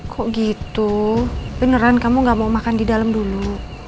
kok gitu beneran kamu gak mau makan di dalam dulu